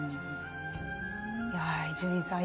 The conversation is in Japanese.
いや伊集院さん